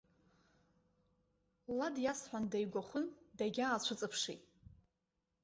Лад иасҳәанда игәахәын, дагьаацәыҵыԥшит.